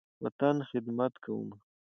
وطن، خدمت کومه